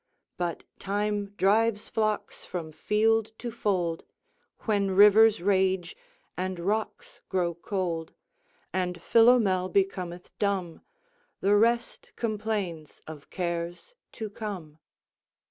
But Time drives flocks from field to fold; When rivers rage and rocks grow cold; And Philomel becometh dumb; The rest complains of cares to come.